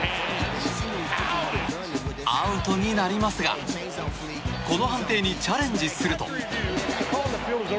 アウトになりますがこの判定にチャレンジすると。